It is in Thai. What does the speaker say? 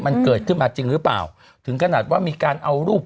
มันเกิดขึ้นมาจริงหรือเปล่าถึงขนาดว่ามีการเอารูป